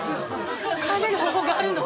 帰れる方法があるの？